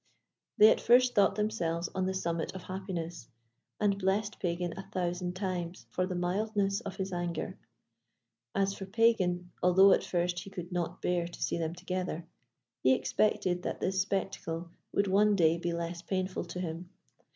They at first thought themselves on the summit of happiness, and blessed Pagan a thousand times for the mildness of his anger. As for Pagan, although at first he could not bear to see them together, he expected that this spectacle would one day be less painful to him.